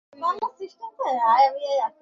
এগুলো তথ্য, তত্ত্ব ও পরিসরের দিকে হতে বিভিন্ন।